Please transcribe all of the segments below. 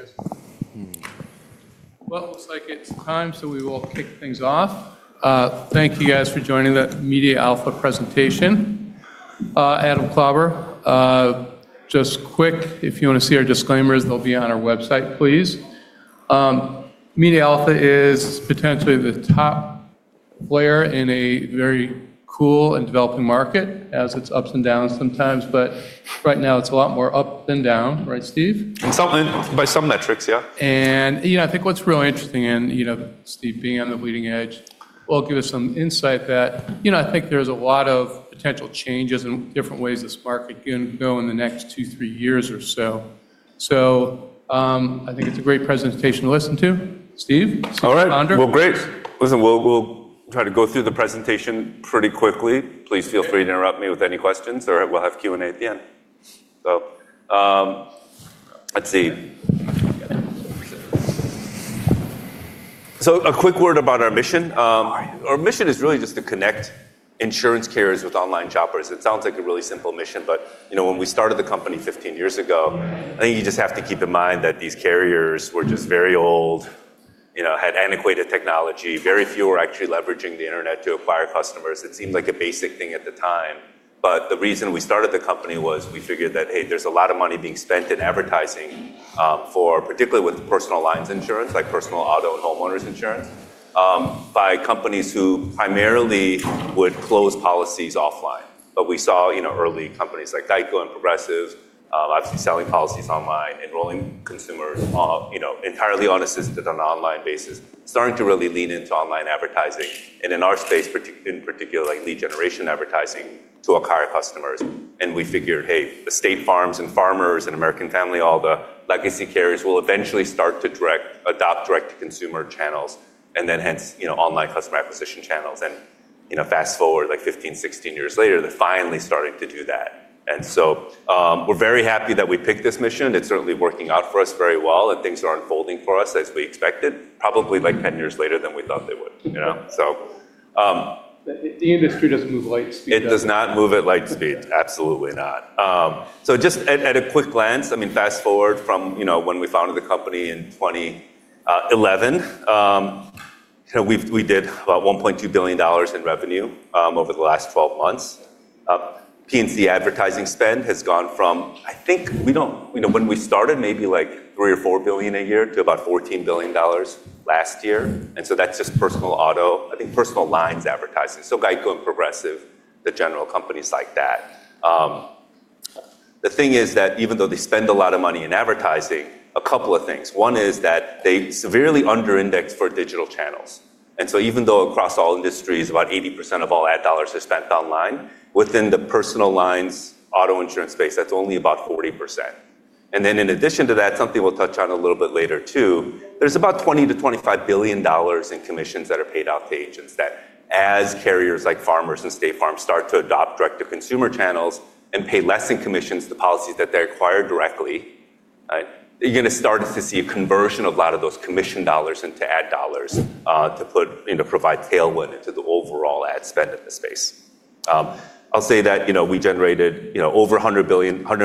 Hey, guys. Well, it looks like it's time. We will kick things off. Thank you guys for joining the MediaAlpha presentation. Adam Klauber. Just quick, if you want to see our disclaimers, they'll be on our website, please. MediaAlpha is potentially the top player in a very cool and developing market, as it's ups and downs sometimes. Right now it's a lot more up than down, right Steve? By some metrics, yeah. I think what's really interesting, and Steve being on the leading edge will give us some insight that I think there's a lot of potential changes and different ways this market can go in the next two, three years or so. I think it's a great presentation to listen to. Steve, founder. All right. Well, great. Listen, we'll try to go through the presentation pretty quickly. Please feel free to interrupt me with any questions, or we'll have Q&A at the end. Let's see. A quick word about our mission. Our mission is really just to connect insurance carriers with online shoppers. It sounds like a really simple mission, but when we started the company 15 years ago, I think you just have to keep in mind that these carriers were just very old, had antiquated technology. Very few were actually leveraging the internet to acquire customers. It seemed like a basic thing at the time, but the reason we started the company was we figured that, hey, there's a lot of money being spent in advertising, particularly with personal lines insurance, like personal auto and homeowners insurance, by companies who primarily would close policies offline. We saw early companies like GEICO and Progressive obviously selling policies online, enrolling consumers entirely unassisted on an online basis, starting to really lean into online advertising and in our space, in particular lead generation advertising to acquire customers. We figured, hey, the State Farm and Farmers and American Family, all the legacy carriers will eventually start to adopt direct-to-consumer channels and then hence, online customer acquisition channels. Fast-forward 15-16 years later, they're finally starting to do that. We're very happy that we picked this mission. It's certainly working out for us very well, and things are unfolding for us as we expected, probably 10 years later than we thought they would. The industry doesn't move at light speed, does it? It does not move at light speed. Absolutely not. Just at a quick glance, fast-forward from when we founded the company in 2011, we did about $1.2 billion in revenue over the last 12 months. P&C advertising spend has gone from, I think when we started, maybe $3 billion or $4 billion a year to about $14 billion last year. That's just personal auto, I think personal lines advertising, so GEICO and Progressive, the general companies like that. The thing is that even though they spend a lot of money in advertising, a couple of things. One is that they severely under-index for digital channels. Even though across all industries, about 80% of all ad dollars are spent online, within the personal lines auto insurance space, that's only about 40%. In addition to that, something we'll touch on a little bit later, too, there's about $20-25 billion in commissions that are paid out to agents that as carriers like Farmers and State Farm start to adopt direct-to-consumer channels and pay less in commissions to the policies that they acquire directly, you're going to start to see a conversion of a lot of those commission dollars into ad dollars, to provide tailwind into the overall ad spend in the space. I'll say that we generated over $100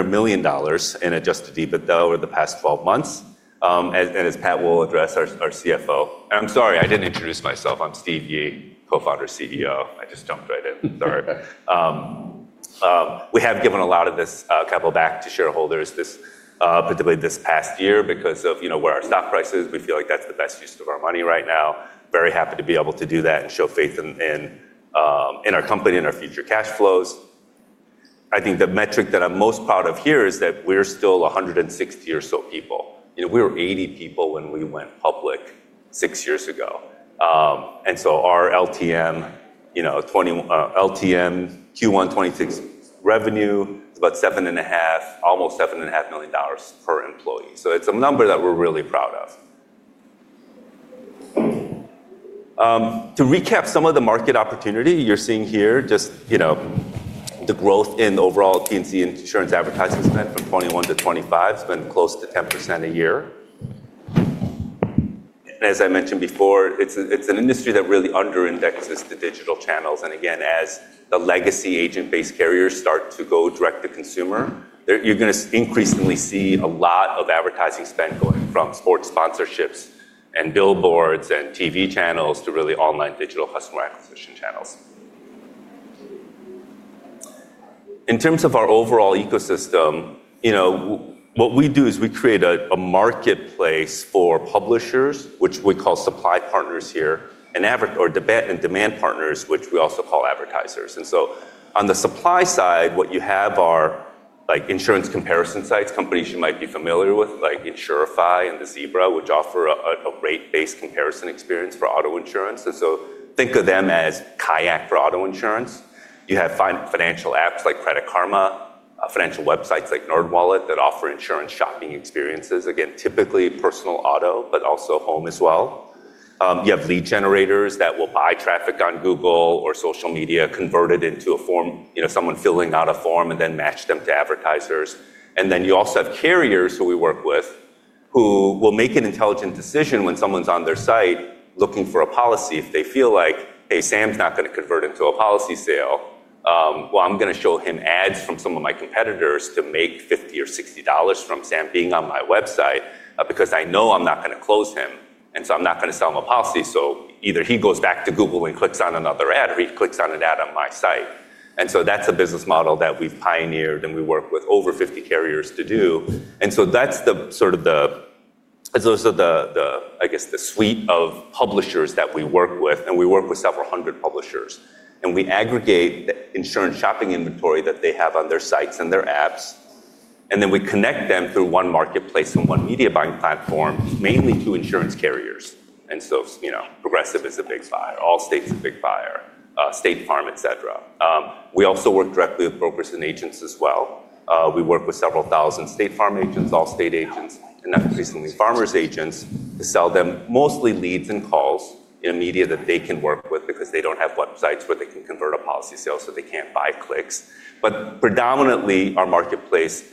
million in adjusted EBITDA over the past 12 months. As Pat will address, our CFO. I'm sorry, I didn't introduce myself. I'm Steve Yi, Co-Founder, CEO. I just jumped right in. Sorry. We have given a lot of this capital back to shareholders, particularly this past year, because of where our stock price is. We feel like that's the best use of our money right now. Very happy to be able to do that and show faith in our company and our future cash flows. I think the metric that I'm most proud of here is that we're still 160 or so people. We were 80 people when we went public six years ago. Our LTM Q1 2026 revenue is about almost $7.5 million per employee. It's a number that we're really proud of. To recap some of the market opportunity, you're seeing here, just the growth in the overall P&C insurance advertising spend from 2021 to 2025, spend close to 10% a year. As I mentioned before, it's an industry that really under-indexes to digital channels, and again, as the legacy agent-based carriers start to go direct-to-consumer, you're going to increasingly see a lot of advertising spend going from sports sponsorships and billboards and TV channels to really online digital customer acquisition channels. In terms of our overall ecosystem, what we do is we create a marketplace for publishers, which we call supply partners here, and demand partners, which we also call advertisers. On the supply side, what you have are insurance comparison sites, companies you might be familiar with, like Insurify and The Zebra, which offer a rate-based comparison experience for auto insurance. Think of them as Kayak for auto insurance. You have financial apps like Credit Karma, financial websites like NerdWallet that offer insurance shopping experiences. Again, typically personal auto, but also home as well. You have lead generators that will buy traffic on Google or social media, convert it into a form, someone filling out a form, and then match them to advertisers. You also have carriers who we work with who will make an intelligent decision when someone's on their site looking for a policy. If they feel like, "Hey, Sam's not going to convert into a policy sale. Well, I'm going to show him ads from some of my competitors to make $50 or $60 from Sam being on my website, because I know I'm not going to close him, and so I'm not going to sell him a policy." Either he goes back to Google and clicks on another ad, or he clicks on an ad on my site. That's a business model that we've pioneered, and we work with over 50 carriers to do. That's the suite of publishers that we work with, and we work with several hundred publishers. We aggregate the insurance shopping inventory that they have on their sites and their apps, we connect them through one marketplace and one media buying platform, mainly to insurance carriers. Progressive is a big buyer. Allstate is a big buyer. State Farm, et cetera. We also work directly with brokers and agents as well. We work with several thousand State Farm agents, Allstate agents, and now recently, Farmers agents to sell them mostly leads and calls in media that they can work with because they don't have websites where they can convert a policy sale, so they can't buy clicks. Predominantly, our marketplace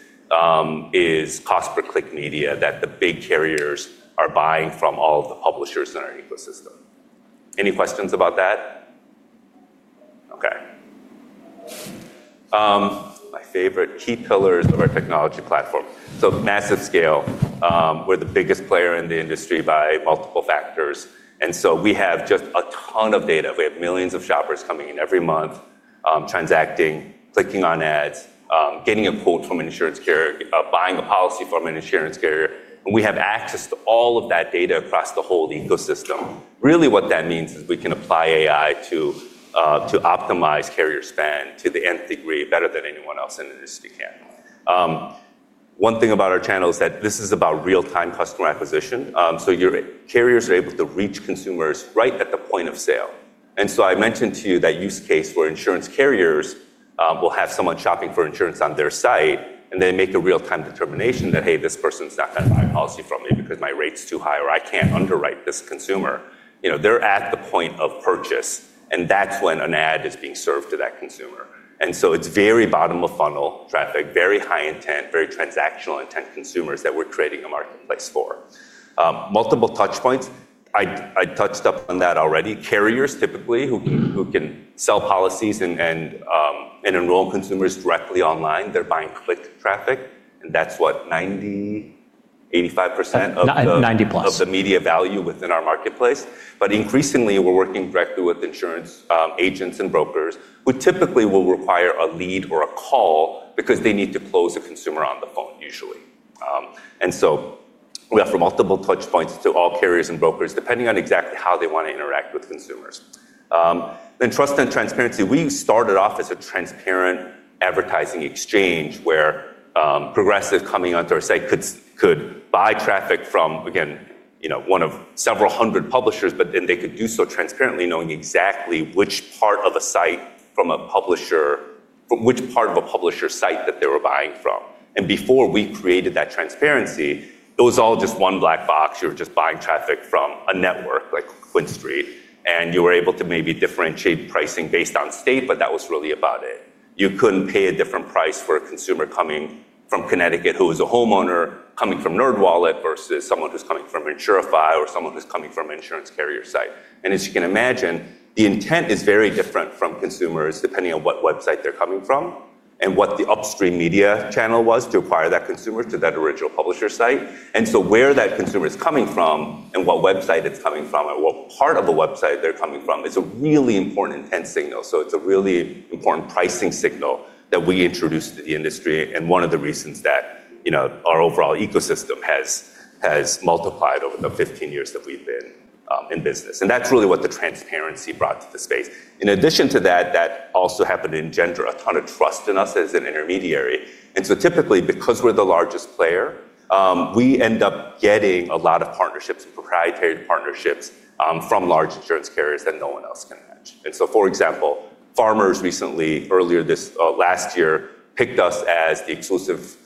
is cost per click media that the big carriers are buying from all of the publishers in our ecosystem. Any questions about that? My favorite key pillars of our technology platform. Massive scale. We're the biggest player in the industry by multiple factors, and so we have just a ton of data. We have millions of shoppers coming in every month, transacting, clicking on ads, getting a quote from an insurance carrier, buying a policy from an insurance carrier. We have access to all of that data across the whole ecosystem. Really what that means is we can apply AI to optimize carrier spend to the nth degree better than anyone else in the industry can. One thing about our channel is that this is about real-time customer acquisition. Your carriers are able to reach consumers right at the point of sale. I mentioned to you that use case where insurance carriers will have someone shopping for insurance on their site, and they make a real-time determination that, "Hey, this person's not going to buy a policy from me because my rate's too high," or, "I can't underwrite this consumer." They're at the point of purchase, and that's when an ad is being served to that consumer. It's very bottom-of-funnel traffic, very high intent, very transactional intent consumers that we're creating a marketplace for. Multiple touch points. I touched up on that already. Carriers, typically, who can sell policies and enroll consumers directly online, they're buying click traffic. That's what, 90%, 85% of the- 90%+ of the media value within our marketplace. Increasingly, we're working directly with insurance agents and brokers who typically will require a lead or a call because they need to close a consumer on the phone, usually. We offer multiple touch points to all carriers and brokers, depending on exactly how they want to interact with consumers. Trust and transparency. We started off as a transparent advertising exchange where Progressive coming onto our site could buy traffic from, again, one of several hundred publishers, but then they could do so transparently knowing exactly which part of a publisher site that they were buying from. Before we created that transparency, it was all just one black box. You were just buying traffic from a network like QuinStreet, and you were able to maybe differentiate pricing based on state, but that was really about it. You couldn't pay a different price for a consumer coming from Connecticut who was a homeowner, coming from NerdWallet versus someone who's coming from Insurify or someone who's coming from insurance carrier site. As you can imagine, the intent is very different from consumers depending on what website they're coming from and what the upstream media channel was to acquire that consumer to that original publisher site. Where that consumer is coming from and what website it's coming from or what part of the website they're coming from is a really important intent signal. It's a really important pricing signal that we introduced to the industry and one of the reasons that our overall ecosystem has multiplied over the 15 years that we've been in business. That's really what the transparency brought to the space. In addition to that also happened to engender a ton of trust in us as an intermediary. Typically, because we're the largest player, we end up getting a lot of partnerships and proprietary partnerships from large insurance carriers that no one else can match. For example, Farmers recently, earlier this last year, picked us as the exclusive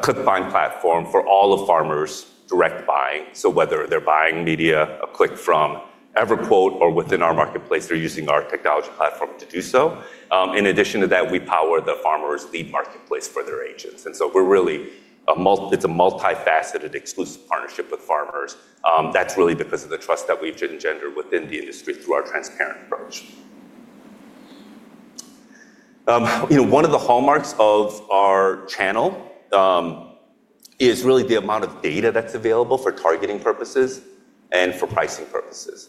click buying platform for all of Farmers' direct buying. Whether they're buying media, a click from EverQuote or within our marketplace, they're using our technology platform to do so. In addition to that, we power the Farmers lead marketplace for their agents. It's a multifaceted exclusive partnership with Farmers. That's really because of the trust that we've engendered within the industry through our transparent approach. One of the hallmarks of our channel is really the amount of data that's available for targeting purposes and for pricing purposes.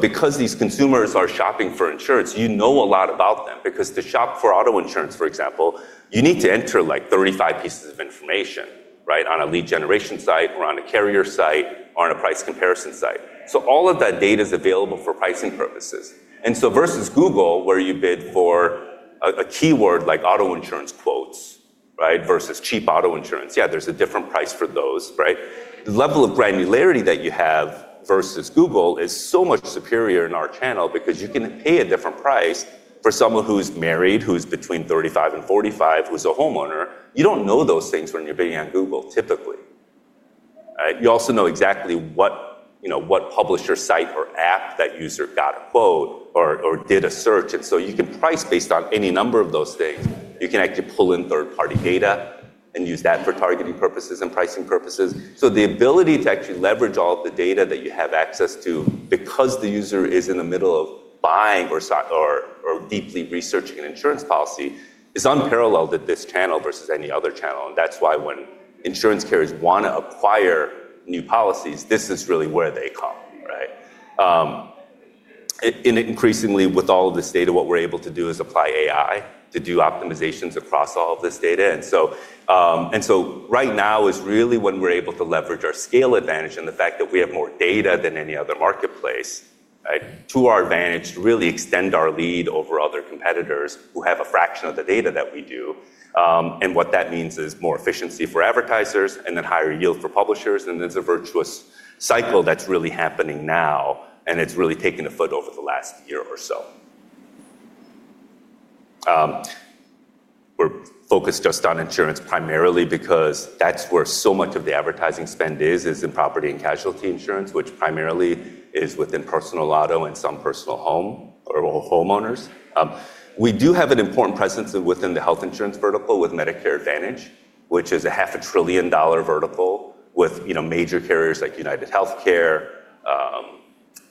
Because these consumers are shopping for insurance, you know a lot about them because to shop for auto insurance, for example, you need to enter 35 pieces of information on a lead generation site or on a carrier site or on a price comparison site. All of that data's available for pricing purposes. Versus Google where you bid for a keyword like auto insurance quotes versus cheap auto insurance. Yeah, there's a different price for those. The level of granularity that you have versus Google is so much superior in our channel because you can pay a different price for someone who's married, who's between 35 and 45, who's a homeowner. You don't know those things when you're bidding on Google, typically. You also know exactly what publisher site or app that user got a quote or did a search. You can price based on any number of those things. You can actually pull in third-party data and use that for targeting purposes and pricing purposes. The ability to actually leverage all of the data that you have access to because the user is in the middle of buying or deeply researching an insurance policy is unparalleled at this channel versus any other channel. That's why when insurance carriers want to acquire new policies, this is really where they come, right? Increasingly, with all of this data, what we're able to do is apply AI to do optimizations across all of this data. Right now is really when we're able to leverage our scale advantage and the fact that we have more data than any other marketplace, to our advantage, to really extend our lead over other competitors who have a fraction of the data that we do. What that means is more efficiency for advertisers and then higher yield for publishers. There's a virtuous cycle that's really happening now, and it's really taken afoot over the last year or so. We're focused just on insurance primarily because that's where so much of the advertising spend is in property and casualty insurance, which primarily is within personal auto and some personal home or homeowners. We do have an important presence within the health insurance vertical with Medicare Advantage, which is a half a trillion dollar vertical with major carriers like UnitedHealthcare.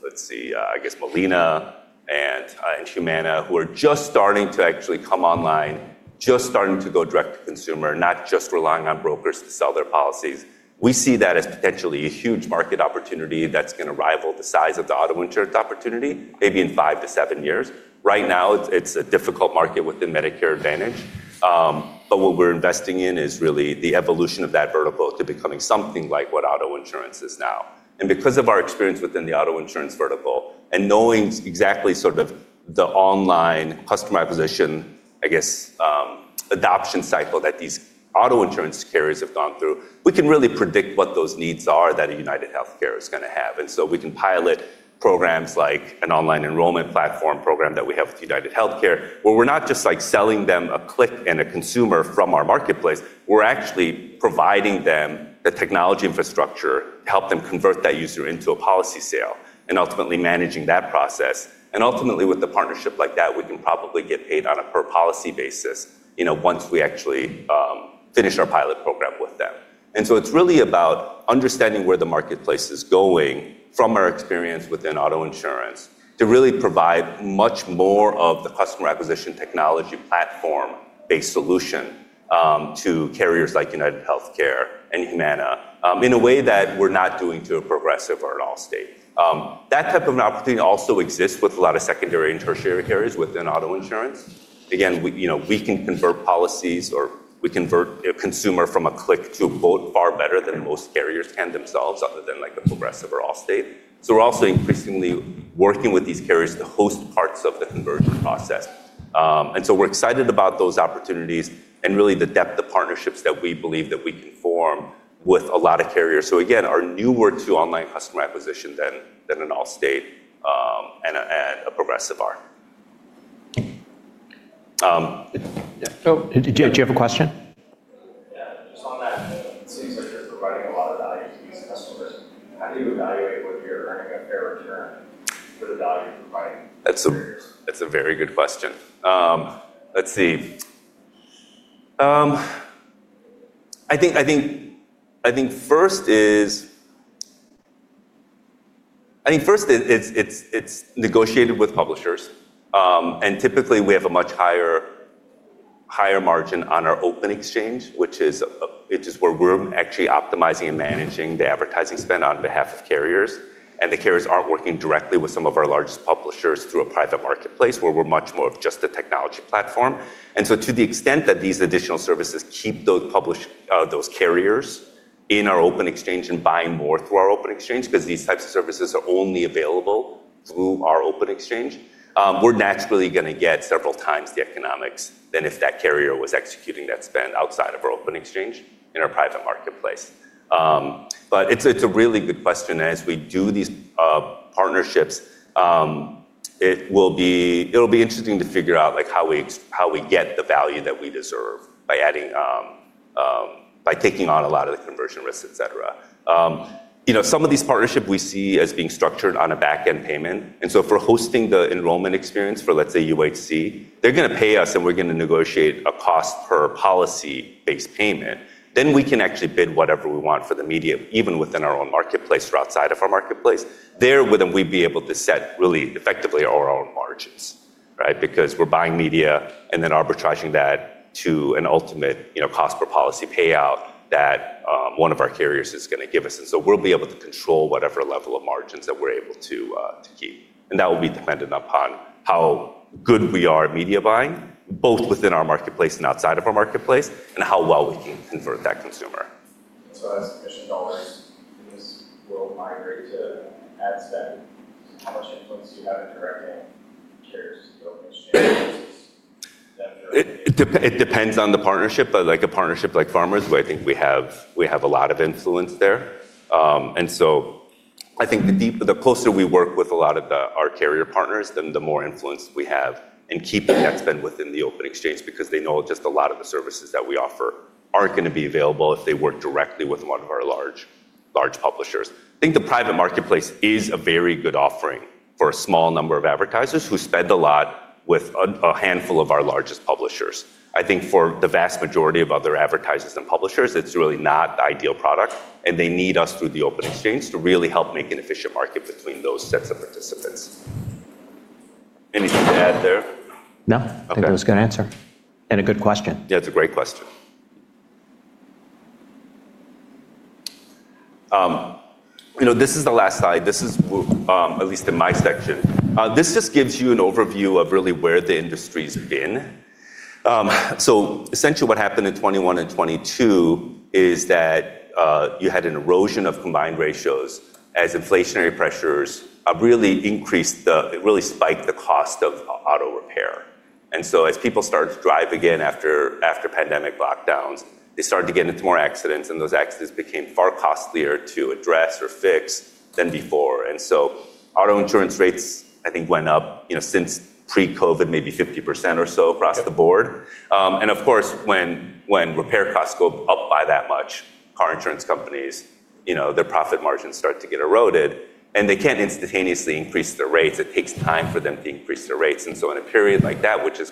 Let's see, I guess Molina and Humana, who are just starting to actually come online, just starting to go direct to consumer, not just relying on brokers to sell their policies. We see that as potentially a huge market opportunity that's going to rival the size of the auto insurance opportunity maybe in five to seven years. Right now, it's a difficult market within Medicare Advantage. What we're investing in is really the evolution of that vertical to becoming something like what auto insurance is now. Because of our experience within the auto insurance vertical and knowing exactly sort of the online customer acquisition, I guess, adoption cycle that these auto insurance carriers have gone through, we can really predict what those needs are that a UnitedHealthcare is going to have. We can pilot programs like an online enrollment platform program that we have with UnitedHealthcare, where we're not just selling them a click and a consumer from our marketplace. We're actually providing them the technology infrastructure to help them convert that user into a policy sale and ultimately managing that process. Ultimately, with a partnership like that, we can probably get paid on a per policy basis, once we actually finish our pilot program with them. It's really about understanding where the marketplace is going from our experience within auto insurance to really provide much more of the customer acquisition technology platform-based solution to carriers like UnitedHealthcare and Humana in a way that we're not doing to a Progressive or an Allstate. That type of an opportunity also exists with a lot of secondary and tertiary carriers within auto insurance. We can convert policies or we convert a consumer from a click to a quote far better than most carriers can themselves, other than like a Progressive or Allstate. We're also increasingly working with these carriers to host parts of the conversion process. We're excited about those opportunities and really the depth of partnerships that we believe that we can form with a lot of carriers who again, are newer to online customer acquisition than an Allstate and a Progressive are. Yeah. Do you have a question? Yeah. Just on that, it seems like you're providing a lot of value to these customers. How do you evaluate whether you're earning a fair return for the value you're providing carriers? That's a very good question. Let's see. I think first it's negotiated with publishers. Typically we have a much higher margin on our open exchange, which is where we're actually optimizing and managing the advertising spend on behalf of carriers. The carriers aren't working directly with some of our largest publishers through a private marketplace where we're much more of just a technology platform. To the extent that these additional services keep those carriers in our open exchange and buying more through our open exchange, because these types of services are only available through our open exchange, we're naturally going to get several times the economics than if that carrier was executing that spend outside of our open exchange in our private marketplace. It's a really good question. As we do these partnerships, it'll be interesting to figure out how we get the value that we deserve by taking on a lot of the conversion risks, et cetera. Some of these partnerships we see as being structured on a back-end payment. For hosting the enrollment experience for, let's say, UHC, they're going to pay us and we're going to negotiate a cost per policy-based payment. We can actually bid whatever we want for the media, even within our own marketplace or outside of our marketplace. There, we'd be able to set really effectively our own margins, right? Because we're buying media and then arbitraging that to an ultimate cost per policy payout that one of our carriers is going to give us. We'll be able to control whatever level of margins that we're able to keep. That will be dependent upon how good we are at media buying, both within our marketplace and outside of our marketplace, and how well we can convert that consumer. As commission dollars in this will migrate to ad spend, how much influence do you have in directing carriers to open exchanges than direct? It depends on the partnership, but like a partnership like Farmers, who I think we have a lot of influence there. I think the closer we work with a lot of our carrier partners, then the more influence we have in keeping that spend within the open exchange because they know just a lot of the services that we offer aren't going to be available if they work directly with one of our large publishers. I think the private marketplace is a very good offering for a small number of advertisers who spend a lot with a handful of our largest publishers. I think for the vast majority of other advertisers and publishers, it's really not the ideal product, and they need us through the open exchange to really help make an efficient market between those sets of participants. Anything to add there? No. Okay. I think that was a good answer, and a good question. Yeah, it's a great question. This is the last slide, at least in my section. This just gives you an overview of really where the industry's been. Essentially what happened in 2021 and 2022 is that you had an erosion of combined ratios as inflationary pressures really spiked the cost of auto repair. As people started to drive again after pandemic lockdowns, they started to get into more accidents, and those accidents became far costlier to address or fix than before. Auto insurance rates, I think, went up since pre-COVID, maybe 50% or so across the board. Of course, when repair costs go up by that much, car insurance companies, their profit margins start to get eroded, and they can't instantaneously increase their rates. It takes time for them to increase their rates. In a period like that, which is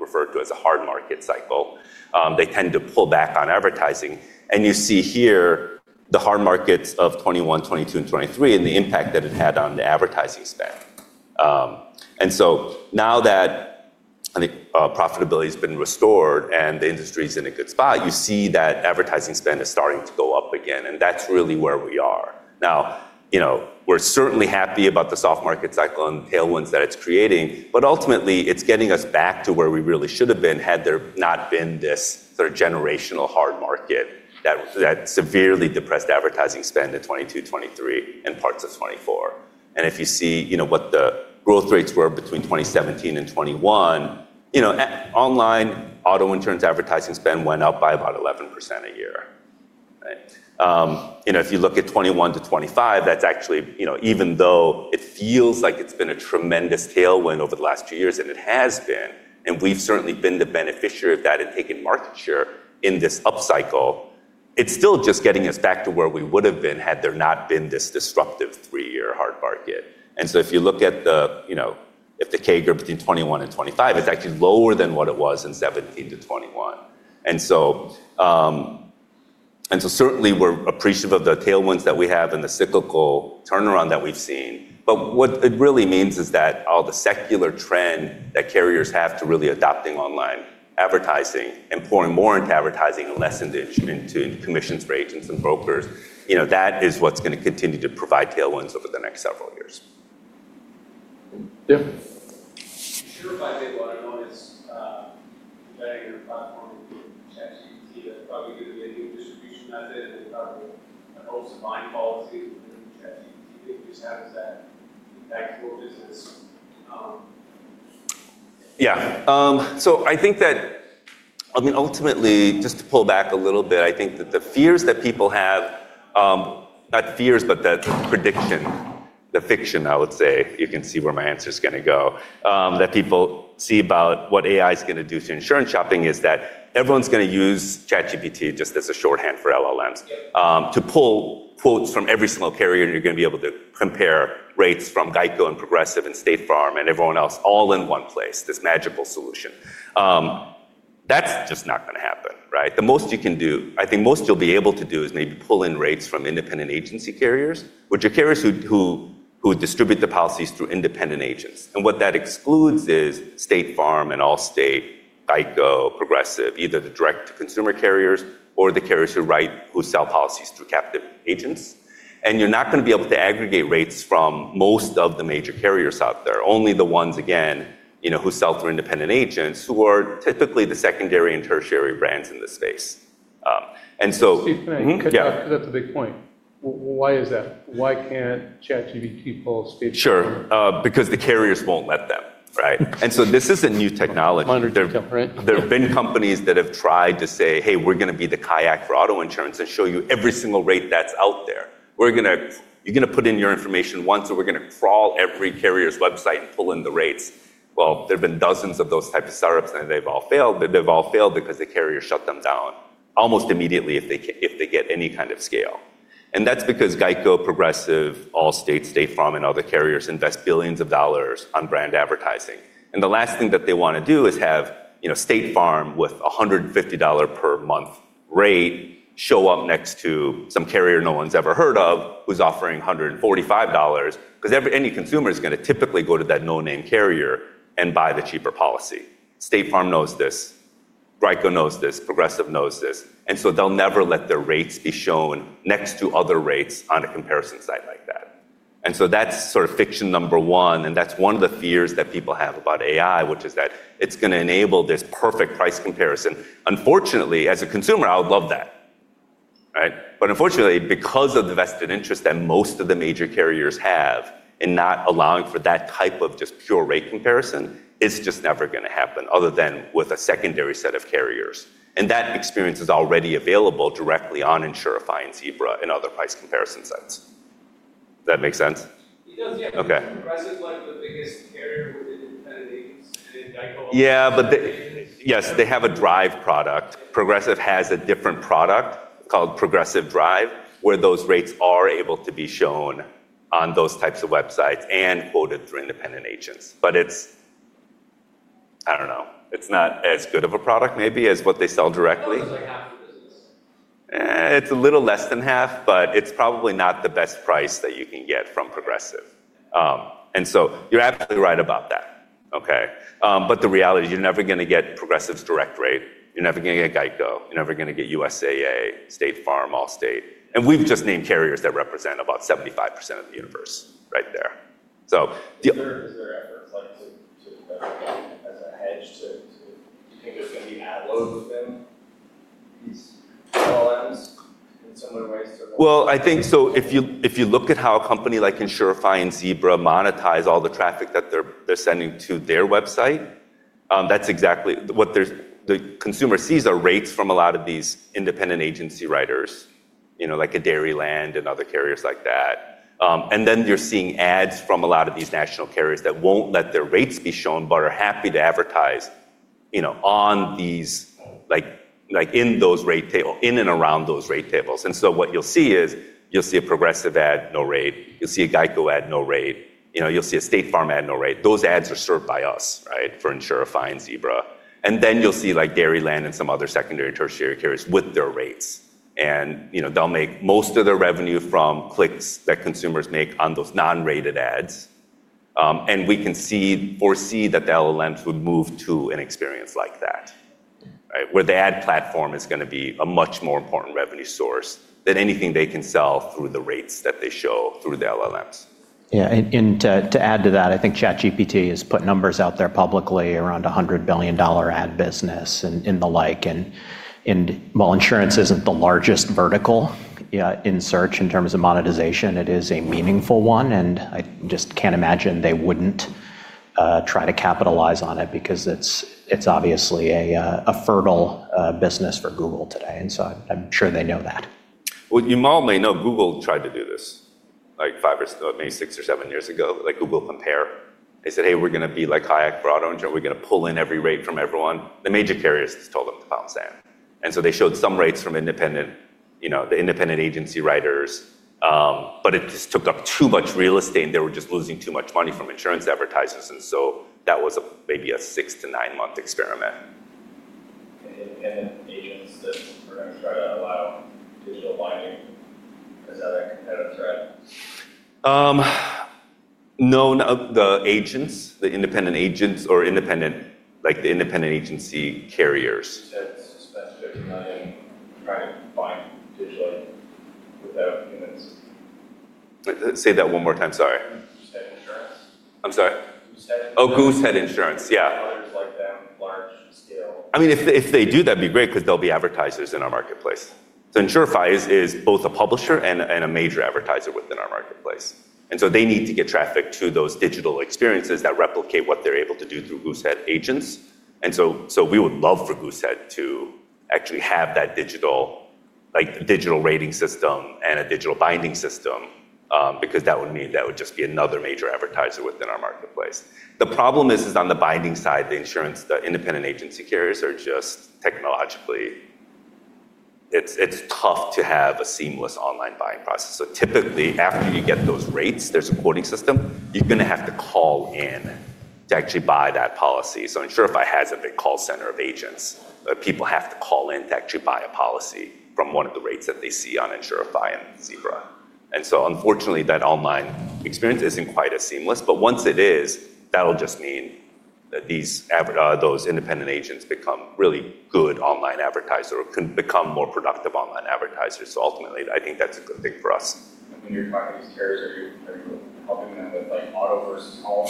referred to as a hard market cycle, they tend to pull back on advertising. You see here the hard markets of 2021, 2022, and 2023, and the impact that it had on the advertising spend. Now that profitability's been restored and the industry's in a good spot, you see that advertising spend is starting to go up again, and that's really where we are. Now, we're certainly happy about the soft market cycle and tailwinds that it's creating, but ultimately it's getting us back to where we really should have been had there not been this third generational hard market that severely depressed advertising spend in 2022, 2023, and parts of 2024. If you see what the growth rates were between 2017 and 2021, online auto insurance advertising spend went up by about 11% a year. Right. If you look at 2021 to 2025, even though it feels like it's been a tremendous tailwind over the last few years, and it has been, and we've certainly been the beneficiary of that and taken market share in this up cycle, it's still just getting us back to where we would've been had there not been this disruptive three-year hard market. If you look at the CAGR between 2021 and 2025, it's actually lower than what it was in 2017 to 2021. Certainly we're appreciative of the tailwinds that we have and the cyclical turnaround that we've seen, but what it really means is that all the secular trend that carriers have to really adopting online advertising and pouring more into advertising and less into commissions for agents and brokers, that is what's going to continue to provide tailwinds over the next several years. Insurify made what I know is embedding their platform into ChatGPT. That's probably going to be a new distribution method and probably a whole supply policy within ChatGPT. How does that impact your business? Yeah. I think that, ultimately, just to pull back a little bit, I think that the fears that people have, not fears, but the prediction, the fiction I would say, you can see where my answer's going to go, that people see about what AI's going to do to insurance shopping is that everyone's going to use ChatGPT, just as a shorthand for LLMs. To pull quotes from every single carrier, and you're going to be able to compare rates from Geico and Progressive and State Farm and everyone else all in one place, this magical solution. That's just not going to happen, right? The most you can do, I think most you'll be able to do, is maybe pull in rates from independent agency carriers, which are carriers who distribute the policies through independent agents. What that excludes is State Farm and Allstate, Geico, Progressive, either the direct-to-consumer carriers or the carriers who sell policies through captive agents. You're not going to be able to aggregate rates from most of the major carriers out there, only the ones, again, who sell through independent agents, who are typically the secondary and tertiary brands in the space. Steve, cut in for a second? That's a big point. Why is that? Why can't ChatGPT pull State Farm? Sure. Because the carriers won't let them, right? This isn't new technology. Monitor different. There have been companies that have tried to say, "Hey, we're going to be the Kayak for auto insurance and show you every single rate that's out there. You're going to put in your information once and we're going to crawl every carrier's website and pull in the rates." Well, there've been dozens of those types of startups and they've all failed. They've all failed because the carriers shut them down almost immediately if they get any kind of scale. That's because GEICO, Progressive, Allstate, State Farm, and other carriers invest billions of dollars on brand advertising. The last thing that they want to do is have State Farm with a $150 per month rate show up next to some carrier no one's ever heard of who's offering $145, because any consumer's going to typically go to that no-name carrier and buy the cheaper policy. State Farm knows this. GEICO knows this. Progressive knows this. They'll never let their rates be shown next to other rates on a comparison site like that. That's sort of fiction number one, and that's one of the fears that people have about AI, which is that it's going to enable this perfect price comparison. As a consumer, I would love that. Right? Unfortunately, because of the vested interest that most of the major carriers have in not allowing for that type of just pure rate comparison, it's just never going to happen, other than with a secondary set of carriers. That experience is already available directly on Insurify and Zebra and other price comparison sites. Does that make sense? It does, yeah. Okay. Progressive's the biggest carrier within independent agents and in GEICO. Yeah. Yes, they have a drive product. Progressive has a different product called Progressive Snapshot, where those rates are able to be shown on those types of websites and quoted through independent agents. It's not as good of a product maybe as what they sell directly. I know it's like half the business. It's a little less than half, but it's probably not the best price that you can get from Progressive. You're absolutely right about that. Okay. The reality is you're never going to get Progressive's direct rate. You're never going to get GEICO. You're never going to get USAA, State Farm, Allstate. We've just named carriers that represent about 75% of the universe right there. Is there efforts to. Do you think there's going to be ad loads within these LLMs in similar ways to? Well, I think so. If you look at how a company like Insurify and Zebra monetize all the traffic that they're sending to their website, that's exactly. What the consumer sees are rates from a lot of these independent agency writers, like a Dairyland and other carriers like that. Then you're seeing ads from a lot of these national carriers that won't let their rates be shown but are happy to advertise in and around those rate tables. What you'll see is, you'll see a Progressive ad, no rate. You'll see a GEICO ad, no rate. You'll see a State Farm ad, no rate. Those ads are served by us for Insurify and Zebra. Then you'll see Dairyland and some other secondary, tertiary carriers with their rates. They'll make most of their revenue from clicks that consumers make on those non-rated ads. We foresee that the LLMs would move to an experience like that where the ad platform is going to be a much more important revenue source than anything they can sell through the rates that they show through the LLMs. Yeah. To add to that, I think ChatGPT has put numbers out there publicly around $100 billion ad business and the like. While insurance isn't the largest vertical in search in terms of monetization, it is a meaningful one, and I just can't imagine they wouldn't try to capitalize on it because it's obviously a fertile business for Google today. I'm sure they know that. Well, you all may know Google tried to do this five or six or seven years ago, like Google Compare. They said, "Hey. We're going to be like Kayak for auto insurance. We're going to pull in every rate from everyone." The major carriers just told them to pound sand. They showed some rates from the independent agency writers. It just took up too much real estate, and they were just losing too much money from insurance advertisers. That was maybe a six to nine-month experiment. Independent agents that are going to try to allow digital binding as other competitive threat? No, the agents, the independent agents or like the independent agency carriers. You said it spent $50 million trying to bind digitally without humans. Say that one more time, sorry. Goosehead Insurance. I'm sorry. Goosehead Insurance. Oh, Goosehead Insurance. Yeah. Others like them, large scale. If they do, that'd be great because they'll be advertisers in our marketplace. Insurify is both a publisher and a major advertiser within our marketplace. They need to get traffic to those digital experiences that replicate what they're able to do through Goosehead Agents. We would love for Goosehead to actually have that digital rating system and a digital binding system because that would mean that would just be another major advertiser within our marketplace. The problem is, on the binding side, the independent agency carriers are just technologically, it's tough to have a seamless online buying process. Typically, after you get those rates, there's a quoting system, you're going to have to call in to actually buy that policy. Insurify has a big call center of agents that people have to call in to actually buy a policy from one of the rates that they see on Insurify and Zebra. Unfortunately, that online experience isn't quite as seamless, but once it is, that'll just mean that those independent agents become really good online advertisers or can become more productive online advertisers. Ultimately, I think that's a good thing for us. When you're talking to these carriers, are you helping them with auto versus home?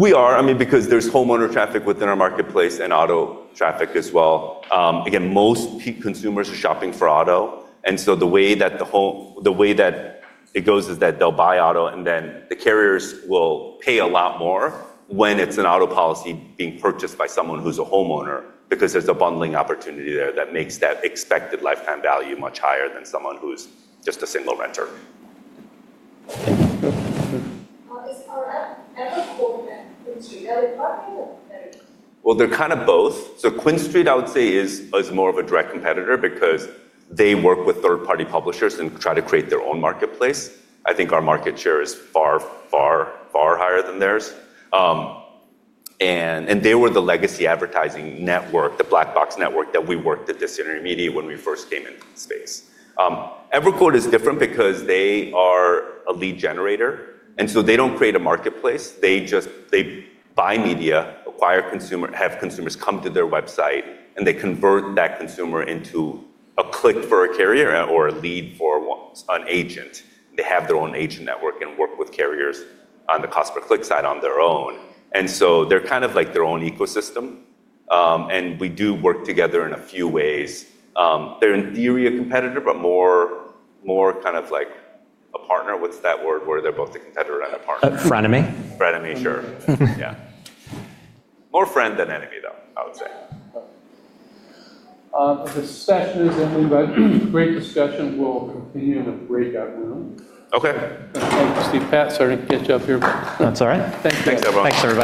We are because there's homeowner traffic within our marketplace and auto traffic as well. Again, most peak consumers are shopping for auto. The way that it goes is that they'll buy auto and then the carriers will pay a lot more when it's an auto policy being purchased by someone who's a homeowner because there's a bundling opportunity there that makes that expected lifetime value much higher than someone who's just a single renter. Thank you. Is EverQuote and QuinStreet, are they partners or competitors? They're kind of both. QuinStreet I would say is more of a direct competitor because they work with third-party publishers and try to create their own marketplace. I think our market share is far, far, far higher than theirs. They were the legacy advertising network, the black box network that we worked at this intermediary when we first came into this space. EverQuote is different because they are a lead generator, they don't create a marketplace. They buy media, acquire consumer, have consumers come to their website, and they convert that consumer into a click for a carrier or a lead for an agent. They have their own agent network and work with carriers on the cost per click side on their own. They're kind of like their own ecosystem. We do work together in a few ways. They're in theory a competitor, but more kind of like a partner. What's that word where they're both a competitor and a partner? A frenemy? Frenemy, sure. Yeah. More friend than enemy, though, I would say. This session is ending, but great discussion. We'll continue in a breakout room. Okay. Thank you, Steve. Pat, sorry to catch you up here. That's all right.